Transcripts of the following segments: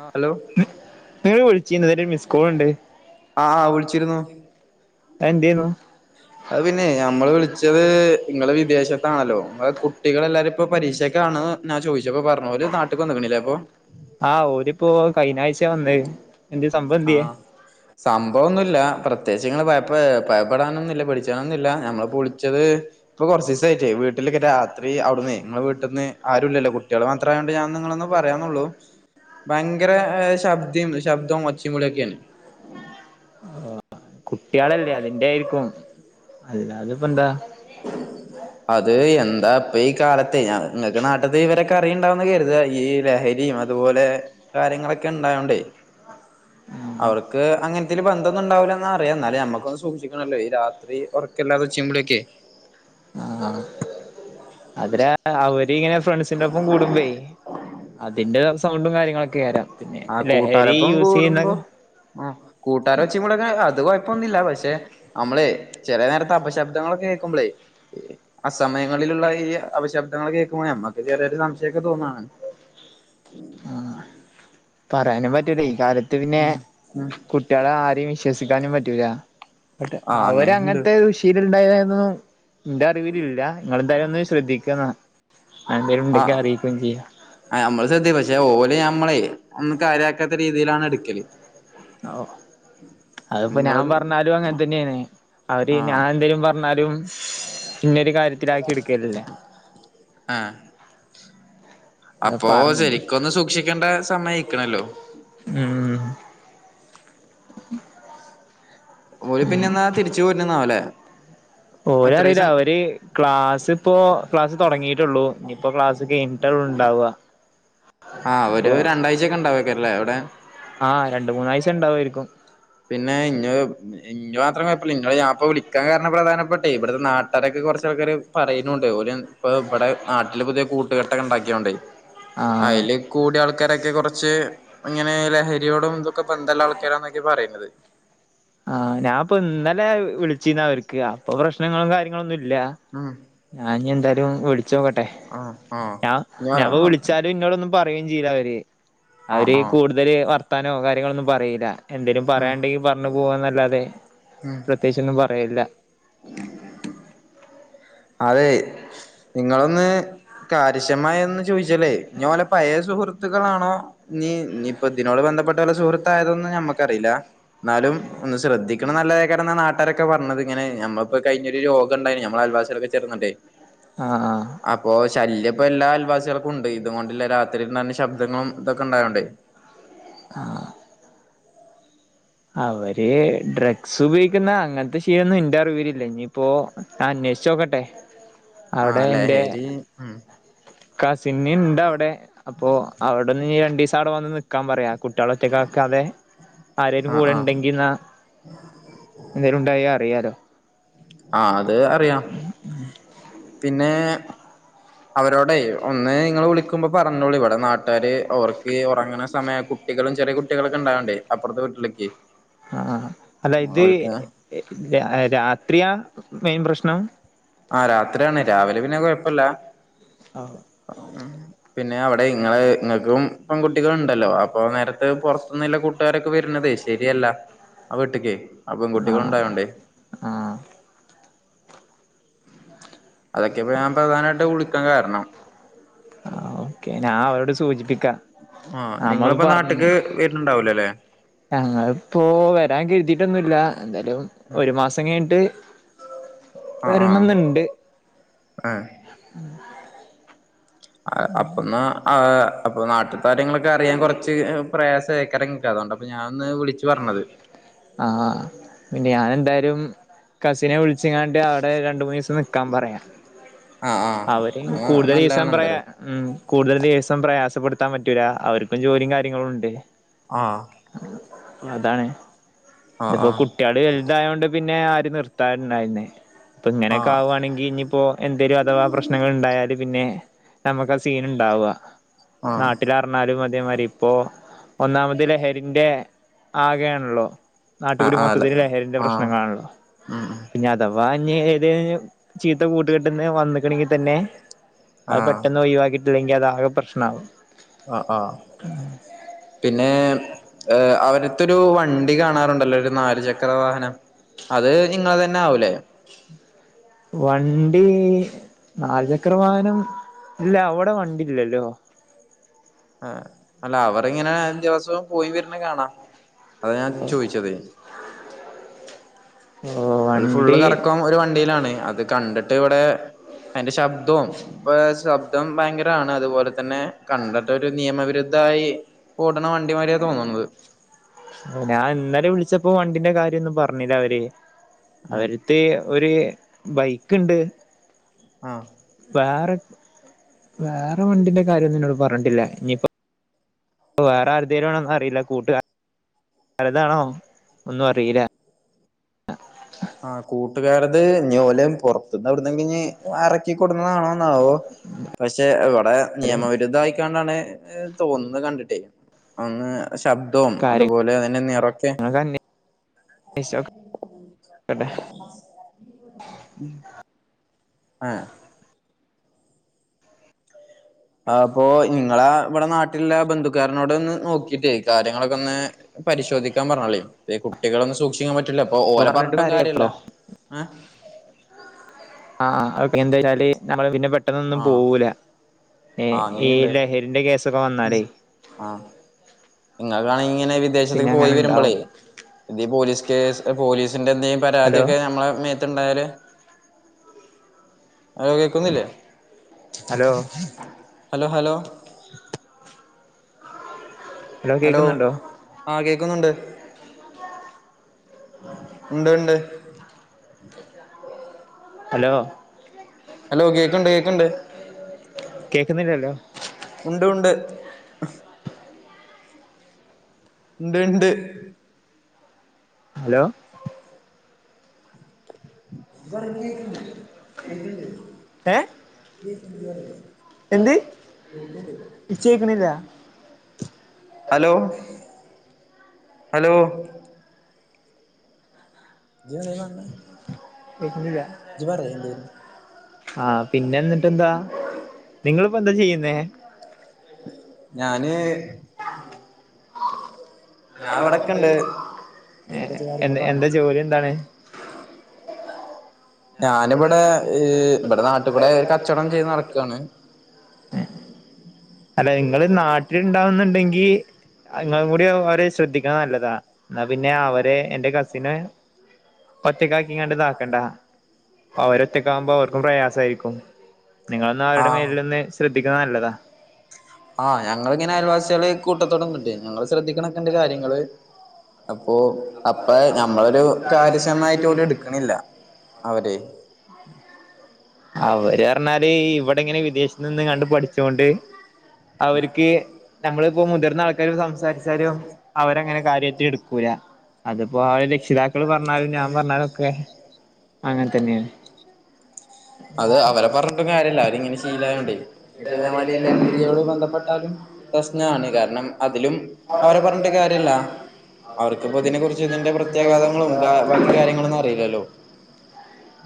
ആഹ് hello നിങ്ങള് വിളിച്ചീന്നോ, ഒരു മിസ്കോൾ കണ്ട് ആഹ് വിളിച്ചിരുന്നു അതെന്തെനു? അത് പിന്നെ ഞമ്മള് വിളിച്ചത് ഇങ്ങള് വിദേശത്താണല്ലോ, നിങ്ങളെ കുട്ടികൾളെല്ലാരും ഇപ്പോ പരീക്ഷ ക്കാണ് ഞാൻ ചോദിച്ച്, അപ്പൊ പറഞ്ഞു ഓര് നാട്ട്ക്ക് വന്ന്ക്കണിലേ ഇപ്പോ ആഹ് ഓരിപ്പോ കഴിഞ്ഞ ആഴ്ച വന്നേ ആഹ് സംഭവമൊന്നുമില്ല, പ്രത്യേകിച്ച് ഇങ്ങള് ഭയപ്പ് ഭയപ്പെടാനൊന്നും ഇല്ല പേടിച്ചാനൊന്നുമില്ല, ഞമ്മളിപ്പൊ വിളിച്ചത് ഇപ്പൊ കുറച്ചീസായിട്ട് വീട്ടിലൊക്കെ രാത്രി അവിടന്ന് നിങ്ങളെ വീട്ടന്ന് ആരും ഇല്ലോ കുട്ടികൾ മാത്രം ത്രം ആയോണ്ട് ഞാൻ നിങ്ങളൊട് ഒന്ന് പറയാന്നുള്ളൂ. ഭയങ്കര ശബ്ദേയ്ന്നു ശബ്‌ദോം ഒച്ചേം വിളിം ഒക്കെയാണ് ആഹ് കുട്ട്യളല്ലേ അതിന്റെ ആയിരിക്കും, അല്ലാതെ ഇപ്പൊ എന്താ അത് എന്താ ഇപ്പൊ ഈ കാലത്തെ ഞാൻ നിങ്ങക്ക് നാട്ട്ത്തെ വിവരൊക്കെ അറിയുണ്ടാവുന്ന് കരുതുകാ, ഈ ലഹരിയും അതു അതുപോലെ കാര്യങ്ങളൊക്കെ ഉണ്ടായോണ്ടേ അവർക്ക് അങ്ങനത്തെല് ബന്ധം ഒന്നും ഉണ്ടാവില്ലന്ന് അറിയാം എന്നാലും ഞമ്മുക്കൊന്ന് സൂക്ഷിക്കണല്ലോ ഈ രാത്രി ഉറക്കല്ലാതെ ഈ ഒച്ചേം വിളിയുമൊക്കേ അതിന് അവരിങ്ങനെ ഫ്രണ്ട്സിന്റെ ഒപ്പം കൂടുമ്പോയേ അതിന്റെ സൗണ്ടും കാര്യങ്ങളൊക്കെ [unintelligible] പിന്നെ ലഹരി യൂസ് ചെയ്യുന്നത് ആഹ് കൂട്ടാരും ഒച്ചേം ബഹളോക്കെ അത് കൊഴപ്പൊന്നുമില്ല, പക്ഷെ നമ്മളെ ചെലനേരത്തെ അപശബ്ദങ്ങളൊക്കെ കേൾക്കുമ്പളേ അസമയങ്ങളിലുള്ള ഈ അപശബ്ദങ്ങള് കേൾക്കുമ്പോേ നമ്മക്ക് ചെറിയൊരു സംശയൊക്കെ തോന്നാണ്. പറയാനും പറ്റൂല ഈ കാലത്ത് പിന്നെ ഉം ഉം കുട്ടികളെ ആരെയും വിശ്വസിക്കാനും പറ്റൂല ട്ട് ആ അവര് അങ്ങനെണ്ട് അങ്ങനത്തെ വിഷ ണ്ടായതായൊന്നും എന്റെ അറിവിലില്ല. നിങ്ങളെന്തായാലും ഒന്ന് ശ്രദ്ധിക്കുക എന്നാൽ ആഹ് എന്തേലും ഉണ്ടെങ്കില് അറിയിക്കുകയും ചെയ്യാം ആഹ് നമ്മള് ശ്രദ്ധ പക്ഷെ ഓലെ നമ്മളെ ഒന്നും കാര്യാക്കാത്ത രീതിയിലാണ് എടുക്കല് ഓഹ് അതിപ്പോ ഞാൻ നിങ്ങളും പറഞ്ഞാലും അങ്ങനെ തന്നെയാണ്. അവര് ആഹ് ഞാൻ എന്തെലും പറഞ്ഞാലും ഇന്നൊരു കാര്യത്തിലാക്കി എടുക്കലില്ല ആഹ് അപ്പൊ പറ ശരിക്കൊന്ന് സൂക്ഷിക്കേണ്ട സമയം ആയിക്കണല്ലോ ഉം ഓല് പിന്നെ എന്നാ തിരിച്ചു പോരന്നാവല്ലേ ഓര് അറിയില്ല ഓര് ക്ലാസ് ഇപ്പോ ക്ലാസ് തൊടങ്ങിയിട്ടുള്ളു, ഇനിയിപ്പോ ക്ലാസ് കഴിഞ്ഞിട്ടാവും ഉണ്ടാവുക ആഹ് ഒരു രണ്ടാഴ്ചയക്കെ ഉണ്ടാവക്കാരല്ലേ അവിടെ ആഹ് രണ്ട് മൂന്നായ്ച്ച ഉണ്ടാവായിരിക്കും പിന്നെ ഇഞ്ഞ് ഇഞ്ഞി മാത്രപ്പോ നിങ്ങള് ഞാൻപ്പോ വിളാൻ കാരണം പ്രധാനപ്പെട്ട ഇവിടുത്തെ നാട്ടുകാരൊക്കെ കുറച്ച ആൾക്കാര് പറയുന്നുണ്ട് ഓല് ഇപ്പൊ ഇവിടെ നാട്ടില് പുതിയ കൂട്ടുകെട്ടൊക്കെ ഉണ്ടാക്കിയൊണ്ടെയ് ആ അയ്ല് കൂടിയ ആൾക്കാരൊക്കെ കുറച്ച് ഇങ്ങനെ ലഹരിയോടും ഇതൊക്കെ ബന്ധമുല്ല ആൾക്കാരാന്നൊക്കെ പറയുന്നത് ആഹ് ഞാപ്പോ ഇന്നലെ വിളിചീന്നു അവർക്ക് അപ്പൊ പ്രശ്നങ്ങളും കാര്യങ്ങള ഒന്നും ഇല്ല ഉം ഞാൻ ഇനി എന്തായാലും വിളിച്ചോക്കട്ടെ ആഹ് ആഹ് ഞാ ഞാൻ ഞവ വിളിച്ചാല അവര് ഇന്നോടൊന്നും പറയും ചെയ്യൂല അവര് ആഹ് അവര് ആഹ് കൂടുതല് വർത്താനോ കാര്യങ്ങളൊന്നും പറയില്ല എന്തേലും ഉം പറയണ്ടെങ്കി പറഞ്ഞു പോവാന്നല്ലാതെ ഉം പ്രത്യേകിച്ചൊന്നും പറയില്ല അതെ നിങ്ങളൊന്ന് കാര്ശമായി ഒന്ന് ചോദിച്ചാലേ ഞ്ഞി ഓലെ പഴയ സുഹൃത്ത് സുഹത്തുക്കളാണോ നി നിപ്പോ ഇതിനോട് ബന്ധപ്പെട്ട വല്ല സുഹൃത്തായതൊന്നും നമ്മക്കറിയില്ല എന്നാലും ഒന്ന് ശ്രദ്ധി ക്ക്ണ നല്ലതാരയ്ക്കാരംന്നാ നാട്ടാരൊക്കെ പറഞ്ഞത്ങ്ങനെ നമ്മളിപ്പോ കഴിഞ്ഞൊരു യോഗണ്ടായ്ന്നു നമ്മള അയൽവാസിയാളൊക്കെ വെച്ച് ചെർന്നടേ ആഹ് ആഹ് അപ്പൊ ശല്യം ഇപ്പൊ എല്ലാ അൽവാസികൾക്കും ഉണ്ട് ഇത് കൊണ്ടില്ല രാത്രി ഉണ്ടാകുന്ന ശബ്ദങ്ങളും ഇതൊക്കെ ഉണ്ടായോണ്ടേ ആഹ് അവര് ഡ്രഗ്സ് ഉപയോഗിക്കുന്ന അങ്ങൻത്തെ ശീലൊന്നും എന്റെ അറിവിലില്ല ഇഞ്ഞിപ്പോ അന്വേഷിച്ച് നോക്കട്ടെ ആഹ് അവിടെ എന്റെ ലഹരി ഉം കസിന്ന്ണ്ടവിടെ അപ്പോ അവിടെന്ന് ഞ്ഞി രണ്ടിസം അവിടെ വന്ന് നിക്കാ പറയാ കുട്ട്യാളെ ഒറ്റക്കാക്കാതെ [unintelligible] ആഹ് കൂടെ ആഹ് ഉണ്ടെങ്കിന്നാ എന്തേലും ഉണ്ടായ അറിയാലോ ആഹ് അത് അറിയാം പിന്നേ അവരോടെയ് ഒന്ന് നിങ്ങള് വിളിക്കുമ്പോ പറഞ്ഞോളൂ ഇവിടെ നാട്ടുകാര് അവർക്ക് ഉറങ്ങ്ണ സമയം കു കുട്ടികളും ചെറിയ കുട്ട്യാളൊക്കെ ഇണ്ടാവ്ണ്ടെ അപ്പർത്തവീട്ടിലൊക്കെ ആഹ് അല്ല ഇത് രാത്രിയാ മെയിൻ പ്രശ്നം ആഹ് രാത്രിയാണ് രാവിലെ പിന്നെ കൊഴപ്പില്ല. ആഹ് പിന്നെ അവിടെ ഇങ്ങള് ഇങ്ങൾക്കും പെൺകുട്ടികളുണ്ടല്ലോ അപ്പൊ നേരത്തെ പൊർത്ത്ന്ന്ള്ള കൂട്ടുകാരൊക്കെ വരുന്നതേശ് ശരിയല്ല അവീട്ടിക്കേ ആഹ് പെൺ കുട്ടികളുണ്ടാവോണ്ടേ ആഹ് അതൊക്കെ ഇപ്പോ ഞാൻ പ്രധാനമായിട്ട് വിളിക്കാൻ കാരണം ആഹ് ഓക്കേ ഞാൻ അവരോട് സൂചിപ്പിക്കാ ആഹ് നിങ്ങളിപ്പ നാട്ടിക്ക് വരുന്നുണ്ടാവുല്ലല്ലേ ഞങ്ങളിപ്പോ വരാൻ കരുതീട്ടൊന്നുമില്ലാ എന്തായാലും ഒരു മാസം കഴിഞ്ഞിട്ട് അഹ് ആഹ് വരണംന്നുണ്ട് ആഹ് അഹ് അപ്പന്നാ [unintelligible] അപ്പൊ നാട്ട്ത്തെകാര്യങ്ങളൊക്കെ അറിയാൻ കൊറച്ച് പ്രയാസ അയ്ക്കാരംൻക്ക് അതുകൊണ്ടാപ്പൊ ഞാൻ ഒന്ന് വിളിച്ച് പർഞ്ഞത്. ആഹ് പിന്നെ ഞാനെന്തായാലും കസിനെ വിളിച്ച്ങ്ങാണ്ട് അവിടെ രണ്ടു മൂന്ന് ദിവസം നിക്കാൻ പറയാം. ആഹ് അവര ആഹ് അത് കൂടുതൽ ദഈസം നല്ലതാണ് [unintelligible] പറയാ എന്തായാലും ഉം കൂടുതൽ ദിവസം പ്രയാസപ്പെടുത്താൻ പറ്റൂല അവർക്കും ജോലിയും കാര്യങ്ങളും ഉണ്ട്. ആഹ് അതാണ് ആഹ് ഇതിപ്പോ ആഹ് കുട്ടി കുട്ടികൾ വലുതായതുകൊണ്ട് പിന്നെ ആര് നിർത്താറട്ടുണ്ടായിന്നേ അപ്പൊ ഇങ്ങനെയൊക്കെ ആവുവാണെങ്കിൽ ഇനിപ്പോ എന്തെലും അഥവാ പ്രശ്നങ്ങൾ ഉണ്ടായാലും പിന്നെ നമുക്ക് ആ സീൻ ഉണ്ടാവുക ആഹ് നാട്ടിലറഞ്ഞാലും അതേമാതി ഇപ്പോ ഒന്നാമത് ലഹരിന്റെ ആകെയാണല്ലോ ആഹ് ആഹ് നാട്ടുകൂടി ആഹ് അതെ മൊത്തത്തിന് ലഹരിന്റെ ആഹ് പ്രശ്നങ്ങളാണല്ലോ ഉം ഉം ഇനത് അഥവാ അഞ് ഏത ചീത്ത കൂട്ടുക കെട്ടന്ന് വന്നക്കണെങ്കി തന്നെ അത് ആഹ് പെട്ടെന്ന് ഒഴിവാക്കിട്ടില്ലെങ്കിൽ അത് ആകെ പ്രശ്നമാവും ആഹ ആഹ പിന്നെ ഏർ അവവിടുത്തൊരു വണ്ടി കാണാറുണ്ടല്ലോ ഒരു നാലുചക്ര വാഹനം അത് നിങ്ങ തന്നെ ആവൂലേ വണ്ടി നാാലുചക്ര വാഹനം ഇല്ല അവിടെ വണ്ടി ഇല്ലല്ലോ ആഹ അല്ല അവർങ്ങനെ ദിവസവും പോയി വരുന്ന കാണാം അതാ ഞാൻ ചോദിച്ചത് ഓ ഒരു ഫുള്ള് വണ്ടി കറക്കം ഒരു വണ്ടിയിലാണ് അത് കണ്ടിട്ട് ഇവിടെ അതിന്റെ ശബ്ദവും ഇപ്പൊ ശബ്ദം ഭയങ്കരമാണ് അതുപോലെ തന്നെ കണ്ടിട്ട ഒരു നിയമവിരുദ്ധായി ഓടന വണ്ടിമാതിരിയ തോന്നണുന്നത് ഞാൻ ഇന്നലെ വിളിച്ചപ്പോ വണ്ടിന്റെ കാര്യംന്നും പറഞ്ഞില്ല അവര് അവര് ഏഹ് മത്തെ ഒരു ബൈക്ക് ഉണ്ട് ആഹ വേറെ വേറെ വണ്ടിന്റെ കാര്യംന്നും നിന്നോട് പറഞ്ഞിട്ടില്ല ഇനി വേറെ ആരുതലും വണോന്നും അറിയില്ല കൂട്ടുകാര പലതാണോ ഒന്നും അറിയില്ല ആ കൂട്ടുകാരുത് ഞോലം പുറത്തന്ന് അവിട കഴ ടുന്നതാണോന്നാവോ പക്ഷെ ഇവിടെ രും നിയമവിരുദ്ധ ആയിക്കണ്ടാണ് തോന്നുന്നു കണ്ടിട്ടേ അന്ന് ശബ്ദവും കാര്യങ്ങളൊക്കെ അതുപോലെ അതിന്റെ നിറൊക്കെ ഓക്കെെ ഉ ഉം ആഹ അപ്പൊ നിങ്ങളെ ഇവിടെ നാട്ടിലുള്ള ബന്ധുക്കാരനോട് ഒന്ന് നോക്കിട്ടേ കാര്യങ്ങളൊക്കെ ഒന്ന് പരിശോധിക്കാൻ പറഞ്ഞല്ലേ കുട്ടികളൊന്നും സൂക്ഷിക്കാൻ പറ്റില്ല അപ്പൊ ഇപ്പൊ ഓല പറഞ്ഞിട്ട് പറഞ്ഞിട്ടും കാര്യല്ല കാര്യമല്ല ഇപ്പളോ ആ ആ ഓക്കെ എന്താ വെച്ചാല് നമ്മള് പിന്നെ പെട്ടെന്നൊന്നും ആഹ് പോവൂല ഏ ആഹ് ഈ ലഹരിന്റെ കേസൊക്കെ വന്നാലേ ആഹ നിങ്ങക്കാണെങ്കിൽ ഇങ്ങനെ പിന്നെ വിദേശത്തേക്ക് പോയി അങ്ങനെ വരുമ്പോളേ ഇണ്ടാവും ഇത പോലീസ് കേസ് പോലീസിന്റെ എന്ത ഹലോ പരാതിയൊക്കെ നമ്മളെ മേത്ത് ഉണ്ടായാല് അലോ കേക്കന്നില്ലേ ഹലോ ഹലോ ഹലോ ഹലോ ആഹ കേക്കുന്നുണ്ട് ഉണ്ട് ഉണ്ട് ഹലോ ഹലോ കേൾക്കുണ്ട് കേൾക്കുണ്ട് കേൾക്കുന്നില്ലല്ലോ ഉണ്ട് ഉണ്ട് ഉണ്ട് ഉണ്ട് ഹലോ പറ കേക്കുന്ന കേക്കില്ലേ ഏ എന്ത് ഇച്ച് കേക്കണില്ല [unintelligible] ഹലോ ഹലോ നീ എന്താ ഈ കാണാനേ വിക്കുന്ല്ല ആഹ പിന്നെ എന്നിട്ട്ന്താ നിങ്ങിപ്പോ എന്താ ചെയ്യുന്നേ ഞാന് ഞാൻ എവിടൊക്കെ ഇണ്ട് എ എന്താ ജോലി എന്താണ് [unintelligible] ഞാനിബടെ ഇബടെ നാട്കൂടെ ഒരു കച്ചവടം ചെയ്ത് നടക്കയാണ് അല്ല നിങ്ങള് നാട്ടിലുണ്ടാവുന്നുണ്ടെങ്കി ഇങ്ങളും കൂടി അവര് ശ്രദ്ധിക്കണ നല്ലതാ എന്നാ പിന്നെ അവര് എന്റെ കസിന് ഒറ്റക്കാക്കിങ്ങാണ്ട് ഇത ആക്കണ്ടൊ അവര ഒറ്റക്കാകുമ്പോ അവർക്കും പ്രയാസമായിരിക്കും നിങ്ങളെന്നാ അവരുടെ ആഹ് മേലിലൊന്ന് ശ്രദ്ധിക്കുന്ന നല്ലതാ ആഹ് ഞങ്ങ ഇങ്ങനെ അയൽവാസികള് കൂട്ടത്തോടൊ ഒന്നിട്ട് ഞങ്ങൾ ശ്രദ്ധിക്കണക്കെണ്ട് കാര്യങ്ങൾ അപ്പൊ അപ്പ നഞമ്മളൊരു കാര്യക്ഷമമായിട്ട് പോലും എടുക്കണില്ല അവരെ അവര് പറഞ്ഞാല് ഇവിടെ ഇങ്ങനെ വിദേശത്ത് നിന്ന് കണ്ട് പഠിച്ച കൊണ്ട് അവർക്ക് നമ്മളിപ്പോ മുതിർന്ന ആൾക്കാര് സംസാരിച്ചാലും അവരങ്ങനെ കാര്യമായിട്ട് എടുക്കൂല അതിപ്പോ ആഹ രക്ഷിതാക്കൾ പറഞ്ഞാലും ഞാൻ പറഞ്ഞാലും ഒക്കെ അങ്ങനെ തന്നെയാണ് അത് അവരെ പറഞ്ഞിട്ടും കാര്യല്ല അവരിങ്ങനെ ശിലായോണ്ട് ഇപ്പ ഇതേമാതിരി ലഹരിയോട് ബന്ധപ്പെട്ടാലും പ്രശ്നമാണ് കാരണം അതിലും അവരെ പറഞ്ഞിട്ട കാര്യമില്ല അവർക്കിപ്പോ ഇതിനെ കുറിച്ച് ഇതിന്റെ പ്ര കഥങ്ങളും ബാക്കി കാര്യങ്ങളൊ ഒന്നും അറിയില്ലല്ലോ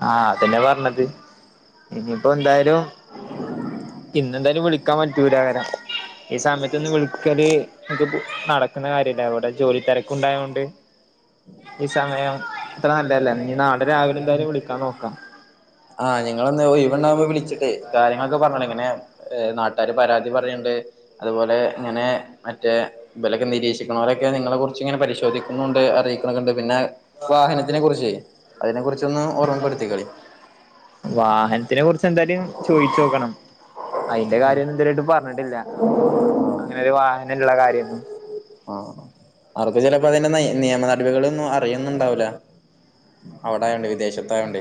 ആഹ അതന്നെ പറഞ്ഞത് ഇനിയിപ്പോ എന്തായാലും ഇന് എന്തായാലും വിളിക്കാൻ പറ്റൂലാകാരം ഈ സമയത് ഒന്ന് വിളിക്കല്ക്ക് നടക്കുല കുന്നകാര്യല്ല അവിടെ ജോലി തിരക്ക് ഉണ്ടായത് കൊണ്ട് ഈ സമയം ഇത്ര നല്ലല്ല ഇനി നാളെ രാവിലെ എന്തായാലും വിളിക്കാൻ നോക്കാം ആഹ നിങ്ങളെ ഒഴിവു ഉണ്ടാകുമ്പോൾ വിളിച്ചിട്ട് കാര്യങ്ങളൊക്കെ പറഞ്ഞള് ഇങ്ങനെ നാട്ടാാര് പരാതി പറയണ്ട് അതുപോലെ ഇങ്ങനെ മറ്റേ. ഇബലെക്കെ നിരീക്ഷിക്കണം അലൊക്കെ നിങ്ങളെ കുറിച്ച് ഇങ്ങനെ പരിശോധിക്കുന്നുണ്ട് അറിയിക്കണണ്ട് പിന്നെ വാഹനത്തിനെ കുറിച്ച് അതിനെ കുറിച്ചൊന്ന് ഓർമ്മപ്പെടുത്തി കളി വാഹനത്തിനെ കുറിച്ച് എന്തായാലും ചോയിച്ചു നോക്കണം അതിന്റെ കാര്യൊന്നും ഇതുവരെയായിട്ടും പറഞ്ഞിട്ടില്ല അങ്ങനെരു വാഹനള്ള കാര്യൊന്നും ആഹ അവർക്ക് ചിലപ്പോ അതിന്റെ ന നിയമ നടപികള ഒന്നും അറിയൊന്നുംണ്ടാവില അവിടെ ആയതുകൊണ്ട് വിദേശത്തായണ്ട്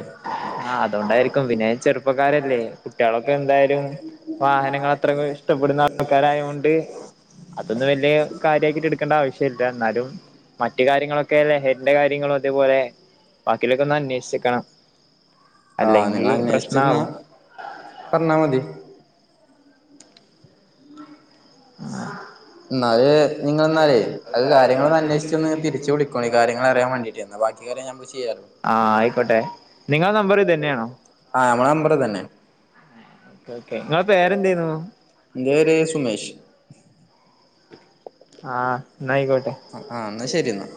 ആഹ അതൊണ്ടായിരിക്കും പിന്നെ ചെറുപ്പക്കാരല്ലേ കുട്ടികളൊക്കെ എന്തായാലും വാഹനങ്ങൾ അത്ര ഇഷ്ടപ്പെടുന്ന ആൾക്കാരായൊണ്ട് അതൊന്നും വലിയ കാര്യക്കിട്ട് എടുക്കേണ്ട ആവശ്യ ഇല്ല ന്നാലും മറ്റു കാര്യങ്ങളൊക്കെ ലഹരിന്റെ കാര്യങ്ങളും അതേപോലെ ബാക്കിലൊക്കെ ഒന്ന് അന്വേഷിക്കണം ആഹ് നിങ്ങളെ അന്വേഷിച്ചിന്ന പ്രശ്നാവും പറഞ്ഞാ മതി ആഹ് എന്നാല് നിങ്ങള്ന്നാലെ അഹ് കാര്യങ്ങളൊന്ന് അന്വേഷിച്ചൊന്ന് തിരിച്ചു വിളിക്കോനി കാര്യങ്ങള് അറിയാൻ വാണ്ടിട്ടേര്ന്നു ന്നാ വാ ക്കി കാര്യം ഞമ്മള് ചെയ്യാലോ ആഹ് ആയിക്കോട്ടെ നിങ്ങളെ നമ്പർ ഇതന്നേണോ? ആഹ് അമ്മളെ നമ്പർ ഇതന്നെ ക്കൊക്കെ ഇങ്ങളെ പേരെന്തേര്ന്നു ഇന്റെ പേര് സുമേഷ് ആഹ് ന്നായിക്കോട്ടെ ആഹ് ആഹ് ഇന്നാ ശരിയന്നാ